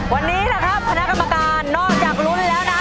วันนี้นะครับคณะกรรมการนอกจากลุ้นแล้วนะ